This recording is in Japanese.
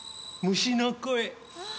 虫の声！